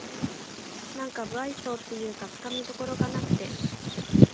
なんか無愛想っていうかつかみどころがなくて